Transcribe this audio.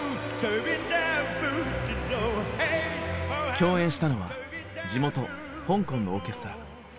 共演したのは地元香港のオーケストラ。